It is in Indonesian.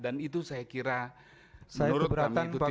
dan itu saya kira menurut kami itu tidak benar